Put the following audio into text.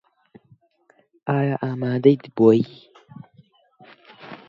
ئایا ئامادەیت بۆی؟